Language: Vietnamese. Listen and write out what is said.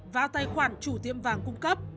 vào tài khoản chủ tiệm vàng cung cấp